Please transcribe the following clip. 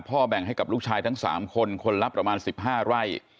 แบ่งให้กับลูกชายทั้ง๓คนคนละประมาณ๑๕ไร่